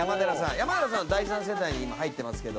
山寺さんは第３世代に今入ってますけど。